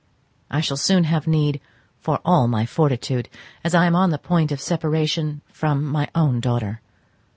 I shall soon have need for all my fortitude, as I am on the point of separation from my own daughter.